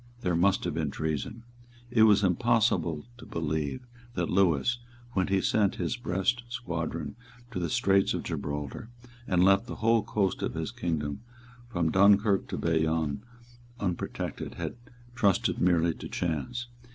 There must have been treason. It was impossible to believe that Lewis, when he sent his Brest squadron to the Straits of Gibraltar, and left the whole coast of his kingdom from Dunkirk to Bayonne unprotected, had trusted merely to chance.